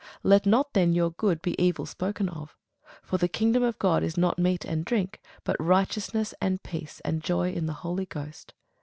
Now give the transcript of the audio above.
Let not then your good be evil spoken of: for the kingdom of God is not meat and drink; but righteousness, and peace, and joy in the Holy Ghost.